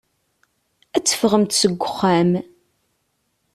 Ad teffɣemt seg uxxam.